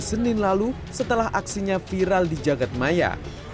senin lalu setelah aksinya viral di jagadmaya